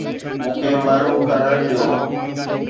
مون کي معلوم ڪرڻ ڏيو